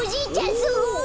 すごい！